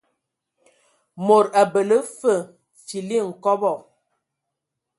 Mod abələ fəg fili nkɔbɔ.